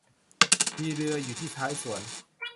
มีเรืออยู่ที่ท้ายสวน